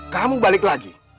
kamu balik lagi